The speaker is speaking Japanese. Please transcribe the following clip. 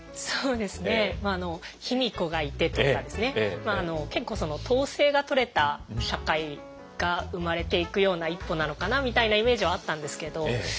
そうですね卑弥呼がいてとかですね結構統制がとれた社会が生まれていくような一歩なのかなみたいなイメージはあったんですけど。